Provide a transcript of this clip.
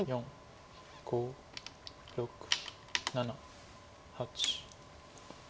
５６７８。